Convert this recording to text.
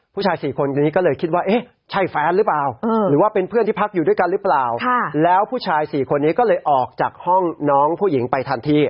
ผู้ชาย๔คนคนนี้ก็เลยคิดว่าเอ๊ะใช่แฟนหรือเปล่าหรือว่าเป็นเพื่อนที่พักอยู่ด้วยกันหรือเปล่าแล้วผู้ชาย๔คนนี้ก็เลยออกจากห้องน้องผู้หญิงไปทันที